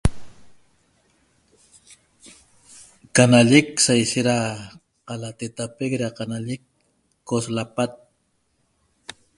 Ca nalleq saishet da canatetapeq ca nalleq coss lapat